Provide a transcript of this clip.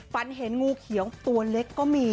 ฝันเห็นงูเขียวตัวเล็กก็มี